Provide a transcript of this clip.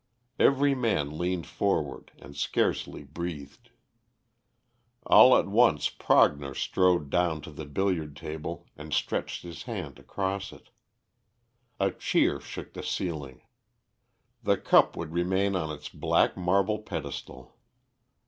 Every man leaned forward and scarcely breathed. All at once Prognor strode down to the billiard table and stretched his hand across it. A cheer shook the ceiling. The cup would remain on its black marble pedestal.